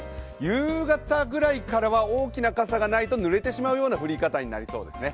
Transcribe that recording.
夕方ぐらいからは大きな傘がないとぬれてしまうような降り方になりそうですね。